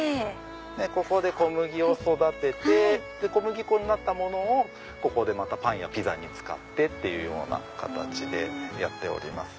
ここで小麦を育てて小麦粉になったものをここでパンやピザに使ってっていうような形でやってます。